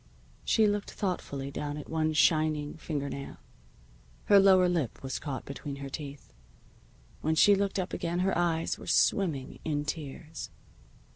She looked thoughtfully down at one shining finger nail. Her lower lip was caught between her teeth. When she looked up again her eyes were swimming in tears.